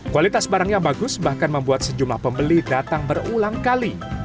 kualitas barang yang bagus bahkan membuat sejumlah pembeli datang berulang kali